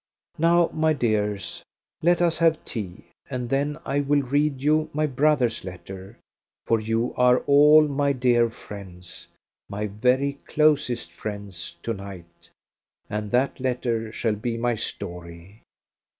Now, my dears, let us have tea, and then I will read you my brother's letter, for you are all my dear friends my very closest friends to night; and that letter shall be my story.